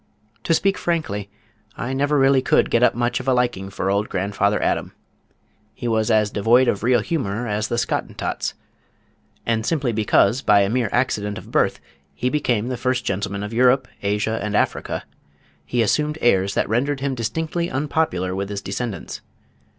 To speak frankly I never really could get up much of a liking for old grandfather Adam. He was as devoid of real humor as the Scottentots, and simply because by a mere accident of birth he became the First Gentleman of Europe, Asia and Africa, he assumed airs that rendered him distinctly unpopular with his descendants.